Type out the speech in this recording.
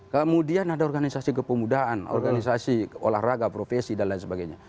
kemudian ada organisasi kepemudaan organisasi olahraga profesi dan lain sebagainya